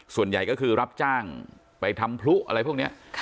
ส่วนใหญ่ก็คือรับจ้างไปทำพลุอะไรพวกนี้